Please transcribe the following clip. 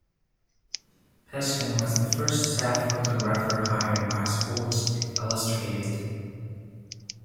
Peskin was the first staff photographer hired by "Sports Illustrated".